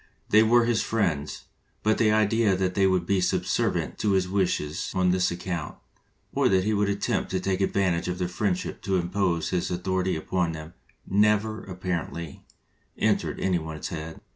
They were his friends, but the idea that they would be subservient to his wishes on this account, or that he would attempt to take advan tage of their friendship to impose his author ity upon them, never, apparently, entered any one's head.